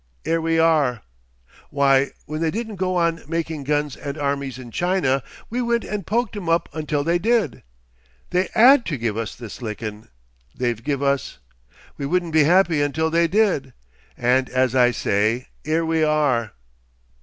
'ere we are. Why, when they didn't go on making guns and armies in China, we went and poked 'em up until they did. They 'ad to give us this lickin' they've give us. We wouldn't be happy until they did, and as I say, 'ere we are!"